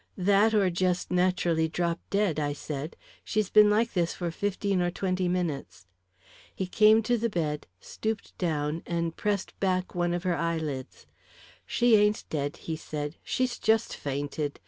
"That or just naturally dropped dead," I said. "She's been like this for fifteen or twenty minutes." He came to the bed, stooped down, and pressed back one of her eyelids. "She ain't dead," he said. "She's chust fainted.